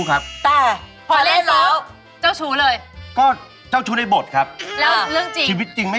แต่เราเชื่อเลยนะ